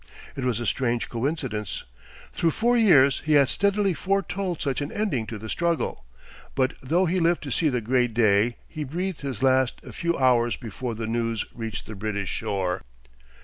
It was a strange coincidence. Through four years he had steadily foretold such an ending to the struggle; but though he lived to see the great day he breathed his last a few hours before the news reached the British shore.